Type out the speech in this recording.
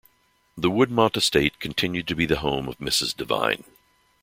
The Woodmont estate continued to be the home of Mrs. Divine.